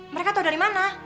mereka tau dari mana